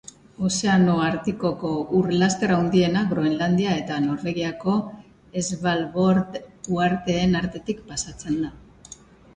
Ozeano Artikoko ur laster handiena Groenlandia eta Norvegiako Svalbord uharteen artetik pasatzen da.